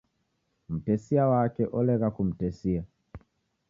Mtesia wake olegha kumtesia.